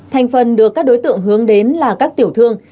thành phần được các đối tượng hướng đến là các tiểu thương